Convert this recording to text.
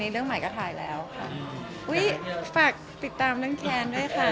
เรื่องใหม่ก็ถ่ายแล้วค่ะอุ้ยฝากติดตามเรื่องแค้นด้วยค่ะ